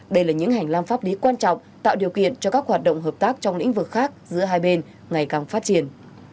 đây là những hành lang pháp lý quan trọng tạo điều kiện cho các hoạt động hợp tác trong lĩnh vực khác giữa hai bên ngày càng phát triển